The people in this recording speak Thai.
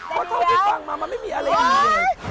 ขอโทษที่ฟังมามันไม่มีอะไรอีก